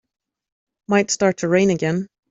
Might start to rain again.